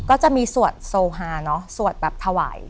ก็จะมีสวดโซฮาเนอะสวดแบบถวาย